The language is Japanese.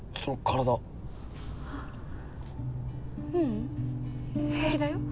ううん平気だよ。